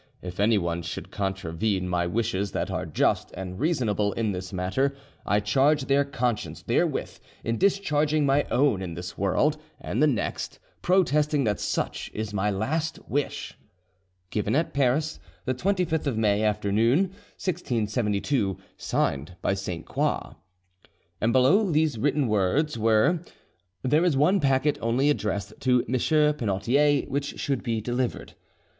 If anyone should contravene my wishes that are just and reasonable in this matter, I charge their conscience therewith in discharging my own in this world and the next, protesting that such is my last wish. "'Given at Paris, the 25th of May after noon, 1672. Signed by Sainte Croix,' "And below were written these words: 'There is one packet only addressed to M. Penautier which should be delivered.